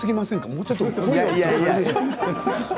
もうちょっと。